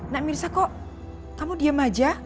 nak mirsa kok kamu diem aja